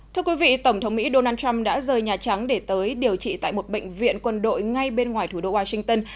thưa quý vị tổng thống mỹ donald trump đã rời nhà trắng để tới điều trị tại một bệnh viện quân đội ngay bên ngoài thủ đô washington